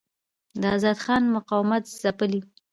د آزاد خان مقاومت ځپلی.